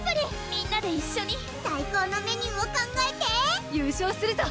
みんなで一緒に最高のメニューを考えて優勝するぞ！